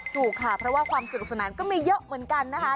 ถูกค่ะเพราะว่าความสนุกสนานก็มีเยอะเหมือนกันนะคะ